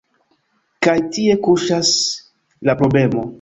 Kaj tie kuŝas la problemo.